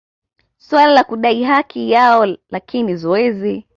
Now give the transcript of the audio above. suala la kudai haki yao lakini zoezi